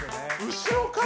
後ろから。